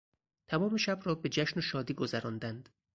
تمام شب را به جشن و شادی گذراندند.